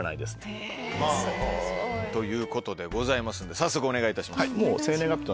へぇすごい。ということでございますんで早速お願いいたします。